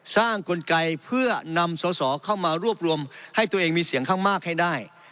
กลไกเพื่อนำสอสอเข้ามารวบรวมให้ตัวเองมีเสียงข้างมากให้ได้